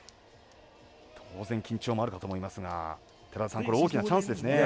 当然、緊張もあると思いますが寺田さん、これ大きなチャンスですね。